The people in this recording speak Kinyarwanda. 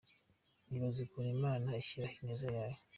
Nibaza ukuntu Imana inshyiraho ineza yayo.